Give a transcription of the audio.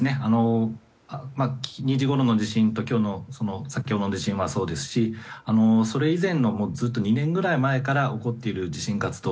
２時ごろの地震と先ほどの地震はそうですしそれ以前のずっと２年ぐらい前から起こっている地震活動